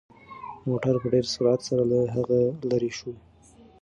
موټر په ډېر سرعت سره له هغه لرې شو.